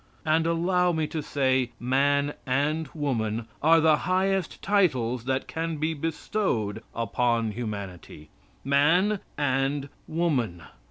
And allow me to say "man" and "woman" are the highest titles that can be bestowed upon humanity. "Man" and "woman."